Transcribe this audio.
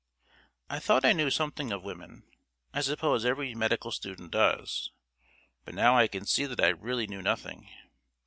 I thought I knew something of women. I suppose every medical student does. But now I can see that I really knew nothing.